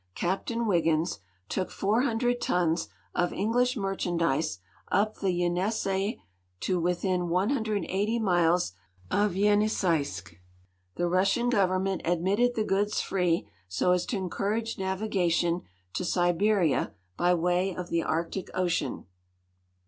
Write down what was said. Captain Wiggins, took 400 tons of English merchandise up the Yenisei to within 180 miles of Yeniseisk. The Russian government admitted the goods free, so as to encourage navigation to Siberia by way of the Arctic ocean.